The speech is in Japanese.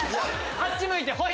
あっち向いてホイ！